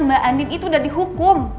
mbak andin itu udah dihukum